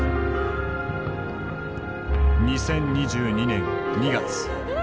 ２０２２年２月。